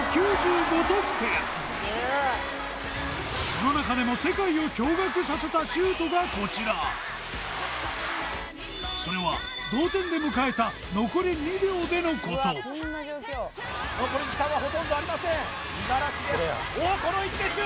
その中でも世界を驚愕させたシュートがこちらそれは同点で迎えた残り２秒でのこと残り時間はほとんどありません五十嵐です